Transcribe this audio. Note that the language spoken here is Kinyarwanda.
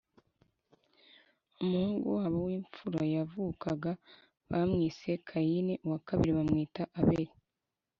umuhungu wabo w imfura yavukaga bamwise Kayini uwa kabiri bamwita aberi